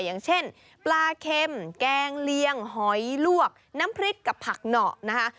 อย่างเช่นปลาเค็มแกงเลียงหอยลวกน้ำพริกกับผักเหนาะนะคะ